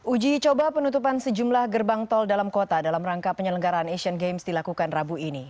uji coba penutupan sejumlah gerbang tol dalam kota dalam rangka penyelenggaran asian games dilakukan rabu ini